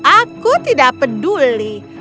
aku tidak peduli